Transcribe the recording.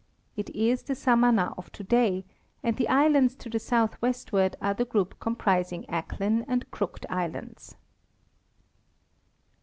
It is the Samana of today, and the islands to the southwestward are the group comprising Acklin and Crooked islands.